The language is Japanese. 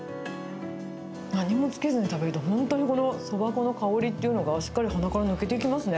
何もつけずに食べると、本当にこのそば粉の香りっていうのが、しっかり鼻から抜けていきますね。